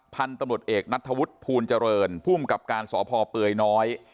พันธุ์ตำรวจเอกนัทธวุฒิภูลเจริญภูมิกับการสพเปลือยน้อย